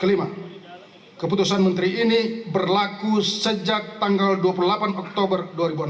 kelima keputusan menteri ini berlaku sejak tanggal dua puluh delapan oktober dua ribu enam belas